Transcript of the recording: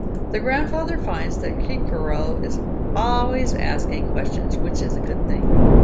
The grandfather finds that Kirikou is always asking questions, which is a good thing.